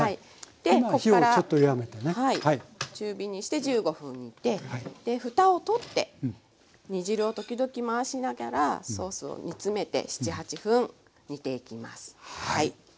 中火にして１５分煮てでふたを取って煮汁を時々回しながらソースを煮詰めて７８分煮ていきます。